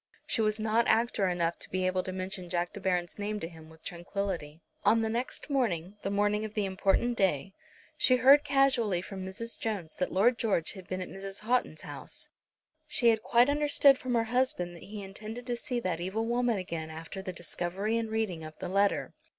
She was not actor enough to be able to mention Jack De Baron's name to him with tranquillity. On the next morning, the morning of the important day, she heard casually from Mrs. Jones that Lord George had been at Mrs. Houghton's house. She had quite understood from her husband that he intended to see that evil woman again after the discovery and reading of the letter.